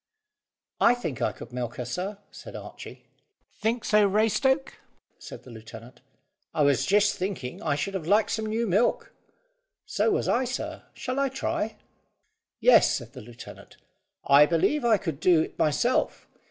"I think I could milk her, sir," said Archy. "Think so, Raystoke?" said the lieutenant. "I was just thinking I should have liked some new milk." "So was I, sir. Shall I try?" "Yes," said the lieutenant. "I believe I could do it myself.